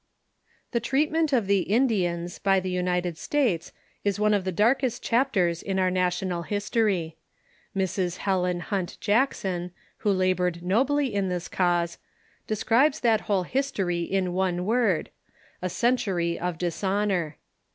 The treatment of the Indians l)y the United States is one of llie darkest chapters in our national history. Mrs. Helen Hunt Jackson, who labored nobly in this cause, describes The Indians ,, i ,..*, r t that whole historj'' in one word — a century of dis honor.